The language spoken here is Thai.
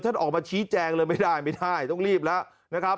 ออกมาชี้แจงเลยไม่ได้ไม่ได้ต้องรีบแล้วนะครับ